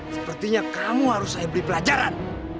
sepertinya kamu harus saya beri pelajaran